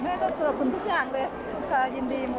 แม่ก็สำหรับคุณทุกอย่างเลยค่ะยินดีหมด